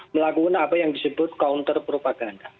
melakukan apa yang disebut counter propaganda